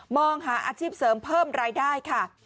มองหาอาชีพเสริมเพิ่มรายได้ค่ะ